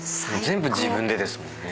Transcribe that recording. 全部自分でですもんね。